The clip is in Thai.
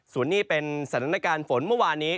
ส่วนนี้เป็นสถานการณ์ฝนเมื่อวานนี้